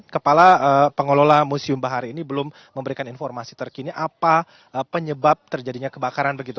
kepala pengelola museum bahari ini belum memberikan informasi terkini apa penyebab terjadinya kebakaran begitu